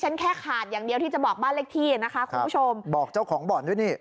แค่ขาดอย่างเดียวที่จะบอกบ้านเลขที่นะคะคุณผู้ชมบอกเจ้าของบ่อนด้วยนี่